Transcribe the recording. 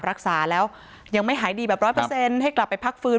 รักษาแล้วยังไม่หายดีแบบร้อยเปอร์เซ็นต์ให้กลับไปพักฟื้น